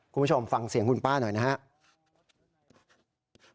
คุณผู้ชมฟังเสียงคุณป้าหน่อยนะครับ